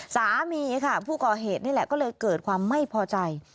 สามีค่ะผู้ก่อเหตุนี่แหละก็เลยเกิดความไม่พอใจ